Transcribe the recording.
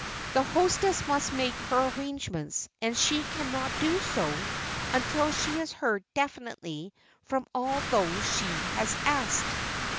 The hostess must make her arrangements and she can not do so until she has heard definitely from all those she has asked.